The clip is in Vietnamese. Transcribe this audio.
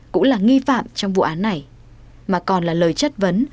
cũng là nghi phạm trong vụ án này mà còn là lời chất vấn